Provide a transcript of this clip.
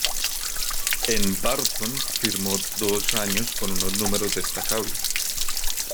En Barton firmó dos años con unos números destacables.